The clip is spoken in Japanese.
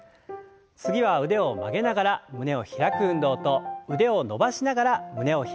次は腕を曲げながら胸を開く運動と腕を伸ばしながら胸を開く運動。